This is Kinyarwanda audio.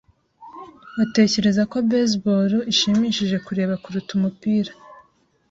batekereza ko baseball ishimishije kureba kuruta umupira.